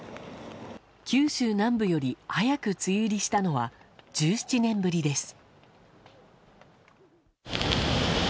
九州南部より早く梅雨入りしたのは１７年ぶりです。